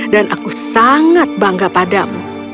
aku sangat bangga padamu